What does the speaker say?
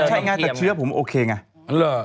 ใช่ไงแต่เชื้อผมโอเคไง